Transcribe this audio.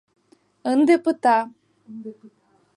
Ынде пыта.